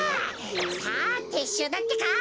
さあてっしゅうだってか！